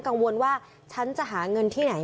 กังวลว่าฉันจะหาเงินที่ไหน